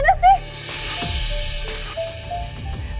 tidak tidak tidak